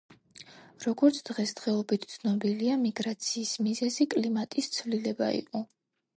როგორც დღესდღეობით ცნობილია, მიგრაციის მიზეზი კლიმატის ცვლილება იყო.